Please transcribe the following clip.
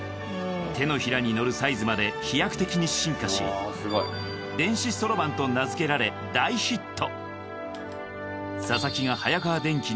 手のひらにのるサイズまで飛躍的に進化し電子ソロバンと名付けられ大ヒット